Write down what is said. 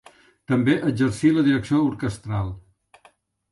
També exercí la direcció orquestral.